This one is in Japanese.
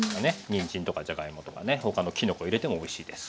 にんじんとかじゃがいもとかね他のきのこ入れてもおいしいです。